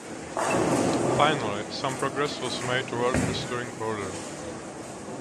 Finally, some progress was made toward restoring order.